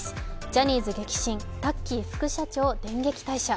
ジャニーズ激震、タッキー副社長電撃退社。